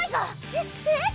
えっ？えっ？